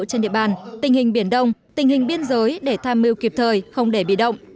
trên địa bàn tình hình biển đông tình hình biên giới để tham mưu kịp thời không để bị động